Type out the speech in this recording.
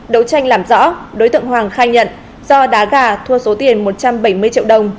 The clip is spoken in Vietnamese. đấu tranh làm rõ đối tượng hoàng khai nhận do đá gà thua số tiền một trăm bảy mươi triệu đồng